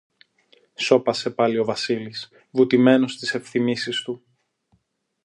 Σώπασε πάλι ο Βασίλης, βουτημένος στις ενθυμήσεις του.